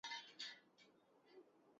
یہ بچگانہ مذاق تھا